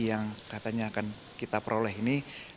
yang katanya akan kita peroleh ini